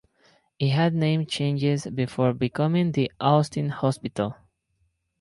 It had name changes before becoming the Austin Hospital.